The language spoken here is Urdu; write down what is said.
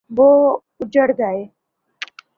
وہ اجڑ گئے۔